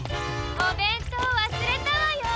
おべんとうわすれたわよ。